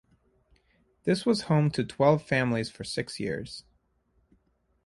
This was home to twelve families for six years.